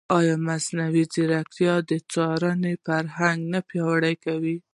ایا مصنوعي ځیرکتیا د څارنې فرهنګ نه پیاوړی کوي؟